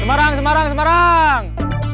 semarang semarang semarang